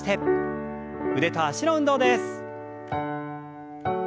腕と脚の運動です。